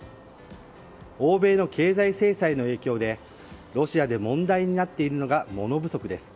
欧米の経済制裁の影響でロシアで問題になっているのが物不足です。